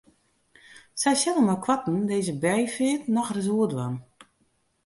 Sy sille meikoarten dizze beafeart nochris oerdwaan.